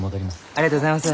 ありがとうございます。